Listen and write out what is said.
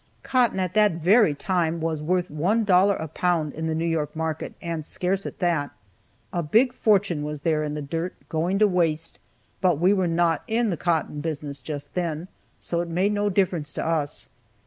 Cotton, at that very time, was worth one dollar a pound in the New York market, and scarce at that. A big fortune was there in the dirt, going to waste, but we were not in the cotton business just then, so it made no difference to us.